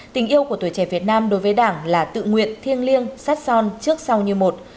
tình yêu của tuổi trẻ việt nam đối với đảng là tự nguyện thiêng liêng sát son trước sau như một